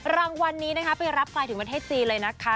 รางวัลนี้นะคะไปรับไกลถึงประเทศจีนเลยนะคะ